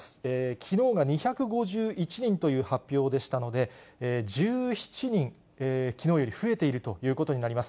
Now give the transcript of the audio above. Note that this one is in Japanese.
きのうが２５１人という発表でしたので、１７人、きのうより増えているということになります。